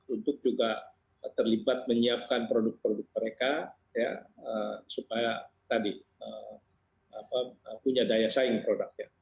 untuk juga terlibat menyiapkan produk produk mereka supaya tadi punya daya saing produknya